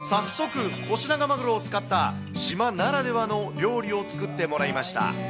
気付いたら、取れてました、早速、コシナガマグロを使った、島ならではの料理を作ってもらいました。